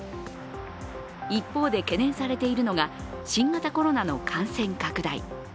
一方で、懸念されているのが新型コロナの感染拡大。